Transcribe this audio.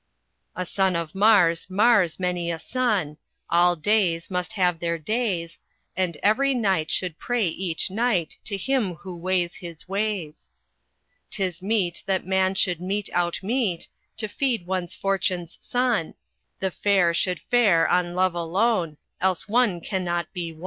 "A son of Mars mars many a son, All Deys must have their days; And every knight should pray each night To him who weighs his ways. "'Tis meet that man should mete out meat To feed one's fortune's sun; The fair should fare on love alone, Else one cannot be won.